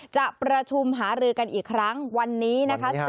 จะประชุมหารือกันอีกครั้งวันนี้นะคะ